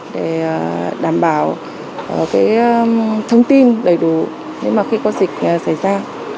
để đảm bảo thông tin đầy đủ khi có dịch xảy ra